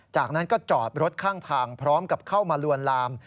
จากนั้นก็จอดรถข้างทางพร้อมกับเข้ามาลวนลาม